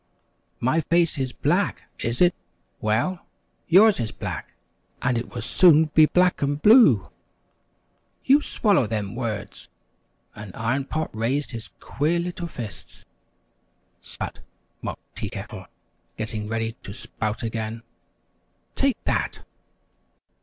"My face is black, is it? Well, yours is black, and it will soon be black and blue!" "You swallow them words!" and Iron Pot raised his queer little fists. "Sput!" mocked Tea Kettle, getting ready to spout again. "Take that!"